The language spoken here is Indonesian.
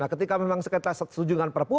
nah ketika memang sekitar setujungan perpu